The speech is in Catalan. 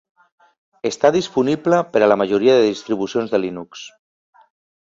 Està disponible per a la majoria de distribucions de Linux.